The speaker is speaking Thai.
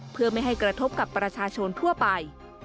เพื่อไม่ให้กระทบกับประชาชนทั่วไป